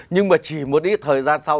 nhưng mà chỉ một ít thời gian sau